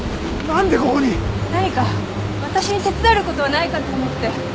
何か私に手伝える事はないかと思って。